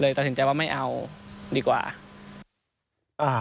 ตัดสินใจว่าไม่เอาดีกว่า